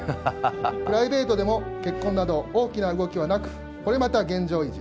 プライベートでも結婚など、大きな動きはなく、これまた現状維持！